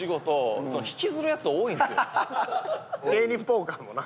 「芸人ポーカー」もな。